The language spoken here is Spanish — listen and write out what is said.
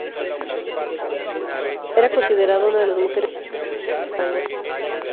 Era considerada una de las mujeres más elegantes de España.